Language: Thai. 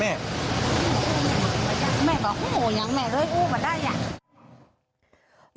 แม่บอกโอ้โหยังแม่เล่าอยู่บ้านด้านเนี่ย